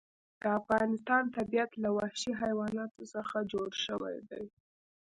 د افغانستان طبیعت له وحشي حیواناتو څخه جوړ شوی دی.